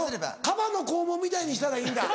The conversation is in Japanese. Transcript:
カバの肛門みたいにしたらいいんだ。